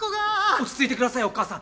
落ち着いてくださいお母さん。